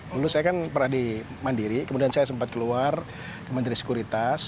dulu saya kan pernah di mandiri kemudian saya sempat keluar di menteri sekuritas